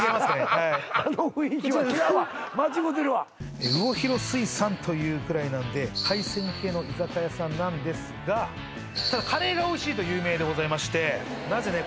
はいこの雰囲気は違うわ間違うてるわ魚洋水産というくらいなんで海鮮系の居酒屋さんなんですがただカレーがおいしいと有名でございましてなぜね